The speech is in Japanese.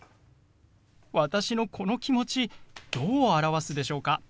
私のこの気持ちどう表すでしょうか？